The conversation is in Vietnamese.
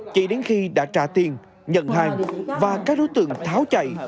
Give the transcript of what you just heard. chỉ đến khi đã trả tiền nhận hàng và các đối tượng tháo chạy